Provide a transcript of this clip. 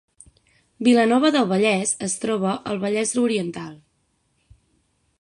Vilanova del Vallès es troba al Vallès Oriental